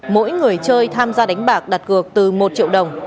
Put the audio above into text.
mỗi người chơi tham gia đánh bạc đặt gược từ một triệu đồng